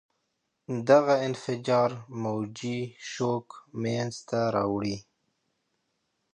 دغه انفجار موجي شوک منځته راوړي.